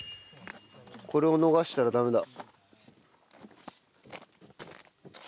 これを逃したらダメだ。